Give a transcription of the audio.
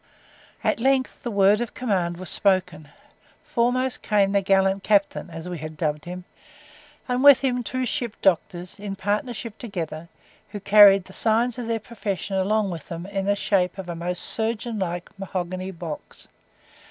At length the word of command was spoken. Foremost came the gallant captain (as we had dubbed him), and with him two ship doctors, in partnership together, who carried the signs of their profession along with them in the shape of a most surgeon like mahogany box.